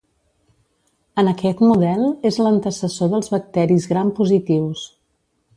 En aquest model és l'antecessor dels bacteris gram positius.